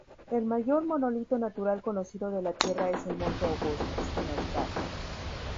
El mayor monolito natural conocido de la Tierra es el monte Augustos, en Australia.